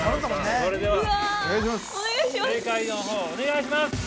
それでは、正解のほうお願いします。